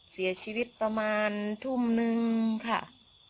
พี่ตุ๊กพี่หมูผ่าเจ้าของมา